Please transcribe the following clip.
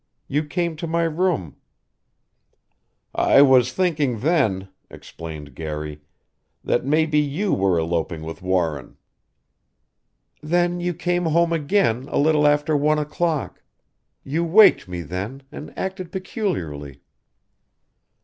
You came to my room " "I was thinking then," explained Garry, "that maybe you were eloping with Warren." "Then you came home again a little after one o'clock. You waked me then and acted peculiarly."